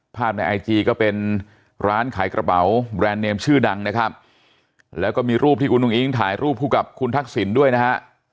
ในไอจีก็เป็นร้านขายกระเป๋าแบรนด์เนมชื่อดังนะครับแล้วก็มีรูปที่คุณอุ้งอิ๊งถ่ายรูปคู่กับคุณทักษิณด้วยนะฮะ